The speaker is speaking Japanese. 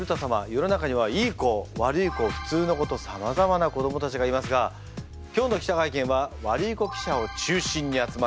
世の中にはいい子悪い子普通の子とさまざまな子どもたちがいますが今日の記者会見はワルイコ記者を中心に集まってもらっています。